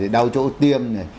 đau chỗ tiêm này